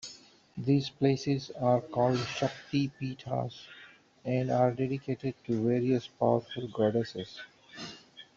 These places are called shakti peethas and are dedicated to various powerful goddesses.